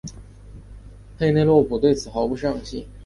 佩内洛普对此毫不上心。